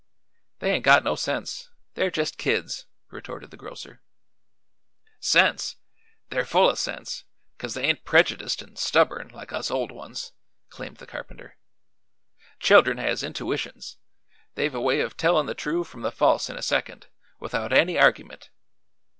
"They ain't got no sense; they're jest kids," retorted the grocer. "Sense? They're full o' sense, 'cause they ain't prejudiced an' stubborn, like us old ones," claimed the carpenter. "Children has intuitions; they've a way of tellin' the true from the false in a second, without any argyment.